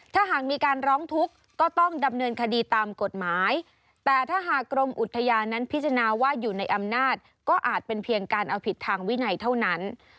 ถ้าหากมีการร้องทุกข์ก็ต้องดำเนินคดีตามกฎหมายแต่ถ้าหากกรมอุทยานั้นพิจารณาว่าอยู่ในอำนาจก็อาจเป็นเพียงการเอาผิดทางวินัยเท่านั้น